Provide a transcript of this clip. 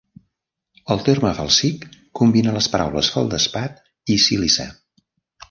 El terme "felsic" combina les paraules "feldespat" i "sílice".